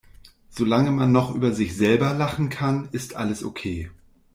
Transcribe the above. Solange man noch über sich selber lachen kann, ist alles okay.